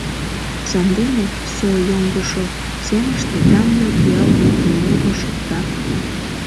Сандене со йоҥгышо семыште данле Пиал моктеммуро шокта.